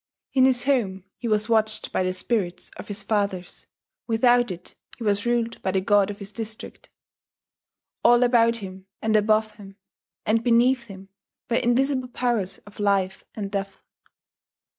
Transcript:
In his home he was watched by the spirits of his fathers; without it, he was ruled by the god of his district. All about him, and above him, and beneath him were invisible powers of life and death.